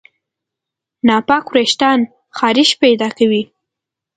ناپاک وېښتيان خارښت پیدا کوي.